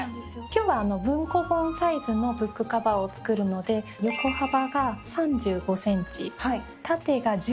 今日は文庫本サイズのブックカバーを作るので横幅が３５ｃｍ縦が１７ｃｍで。